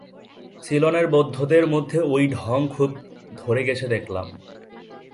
সিলোনের বৌদ্ধদের মধ্যে ঐ ঢঙ খুব ধরে গেছে দেখলাম।